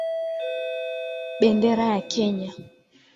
Bendera ya Kenya.